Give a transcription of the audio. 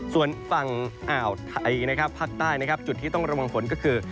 ส่วนฝั่งอ่าวไทยภาคใต้จุดที่ต้องระวังฝนก็คือ